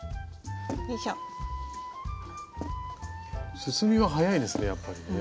進みが早いですねやっぱりね。